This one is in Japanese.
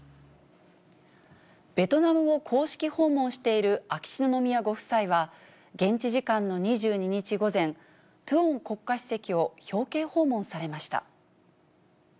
ベトナムを公式訪問している秋篠宮ご夫妻は、現地時間の２２日午前、トゥオン国家主席を表敬訪問されました。